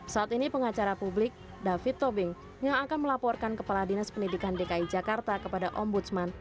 saat ini pengacara publik david tobing yang akan melaporkan kepala dinas pendidikan dki jakarta kepada ombudsman